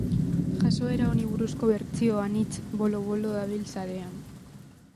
Jazoera honi buruzko bertsio anitz bolo-bolo dabil sarean.